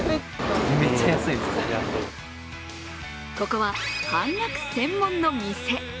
ここは、半額専門の店。